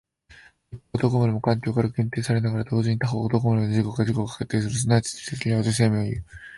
一方どこまでも環境から限定されながら同時に他方どこまでも自己が自己を限定するという即ち自律的であるというところに生命はある。